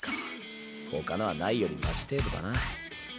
ほかのはないよりまし程度だな。